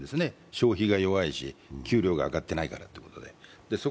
消費が弱いし給料が上っていないからということで。